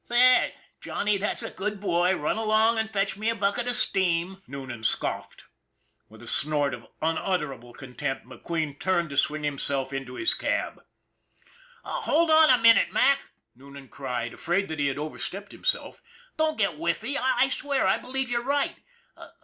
" There, Johnny, that's a good boy, run along and fetch me a bucket of steam," Noonan scoffed. With a snort of unutterable contempt, McQueen turned to swing himself into his cab. McQUEEN'S HOBBY 283 " Hold on a minute, Mac," Noonan cried, afraid that he had overstepped himself. " Don't get whiffy. I swear, I believe you're right.